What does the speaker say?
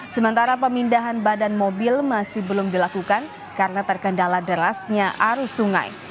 sementara pemindahan badan mobil masih belum dilakukan karena terkendala derasnya arus sungai